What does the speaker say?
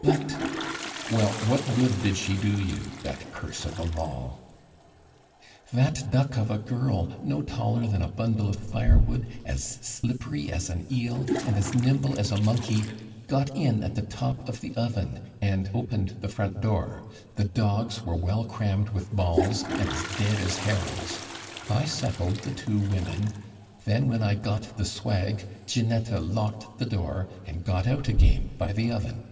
"But " "Well, what good did she do you that curse of a moll?" "That duck of a girl no taller than a bundle of firewood, as slippery as an eel, and as nimble as a monkey got in at the top of the oven, and opened the front door. The dogs were well crammed with balls, and as dead as herrings. I settled the two women. Then when I got the swag, Ginetta locked the door and got out again by the oven."